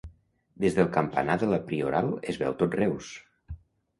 Des del campanar de la Prioral, es veu tot Reus.